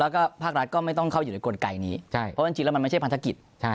โดยกลไกรนี้เพราะว่าในจริงมันไม่ใช่พันธกิจ